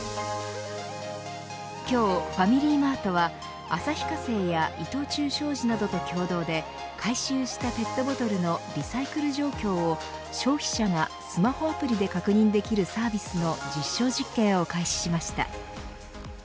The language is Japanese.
今日、ファミリーマートは旭化成や伊藤忠商事などと共同で回収したペットボトルのリサイクル状況を消費者がスマホアプリで確認できるサービスの実証実験を開始しました。